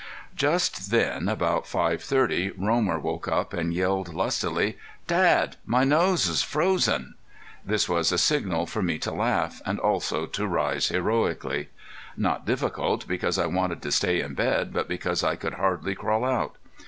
Just then, about five thirty, Romer woke up and yelled lustily: "Dad! My nose's froze." This was a signal for me to laugh, and also to rise heroically. Not difficult because I wanted to stay in bed, but because I could hardly crawl out!